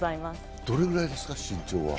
どれぐらいですか、身長は。